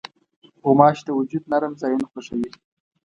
غوماشې د وجود نرم ځایونه خوښوي.